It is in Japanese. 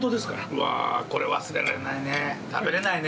うわ、これは忘れられないね。